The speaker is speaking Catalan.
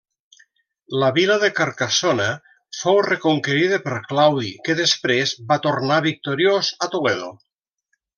La vila de Carcassona fou reconquerida per Claudi que després va tornar victoriós a Toledo.